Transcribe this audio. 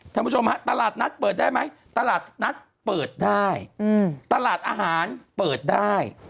ท่านผู้ชมฮะตลาดนัดเปิดได้ไหมตลาดนัดเปิดได้ตลาดอาหารเปิดได้